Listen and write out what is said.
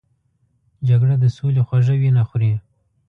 جګړه د سولې خوږه وینه خوري